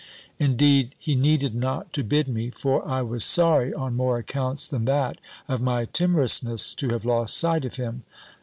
Indeed, he needed not to bid me; for I was sorry, on more accounts than that of my timorousness, to have lost sight of him.